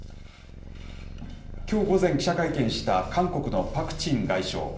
きょう午前、記者会見した韓国のパク・チン外相。